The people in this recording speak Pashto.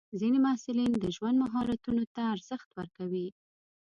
ځینې محصلین د ژوند مهارتونو ته ارزښت ورکوي.